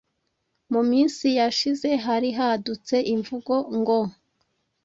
Mu minsi yashize hari hadutse imvugo ngo: “